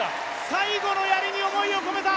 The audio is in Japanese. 最後のやりに思いを込めた。